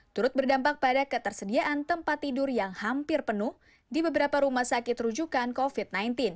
turut berdampak pada ketersediaan tempat tidur yang hampir penuh di beberapa rumah sakit rujukan covid sembilan belas